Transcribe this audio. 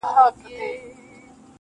داسې خبرې خو د دې دُنيا سړی نه کوي~